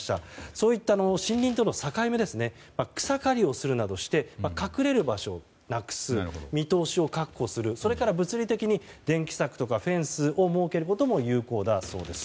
そういった森林との境目草刈りをするなどして隠れる場所をなくす見通しを確保するそれから物理的に電気柵やフェンスを設けることも有効だそうです。